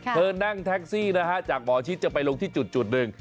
เธอนั่งแท็กซี่นะฮะจากหมอชิดจะไปลงที่จุดหนึ่ง